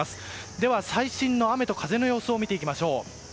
では、最新の雨と風の予想を見ていきましょう。